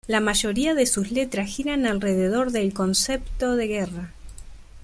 La mayoría de sus letras giran alrededor del concepto de guerra.